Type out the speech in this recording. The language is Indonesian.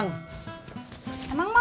nge sarapan dulu bang